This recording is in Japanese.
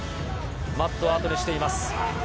マットを後にしています。